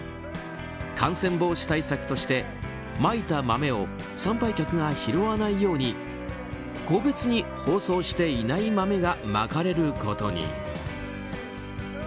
感染防止対策としてまいた豆を参拝客が拾わないように個別に包装していない豆がまかれることに。